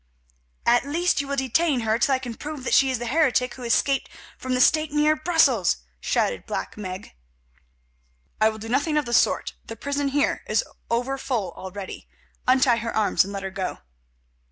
"At least you will detain her till I can prove that she is the heretic who escaped from the stake near Brussels," shouted Black Meg. "I will do nothing of the sort; the prison here is over full already. Untie her arms and let her go."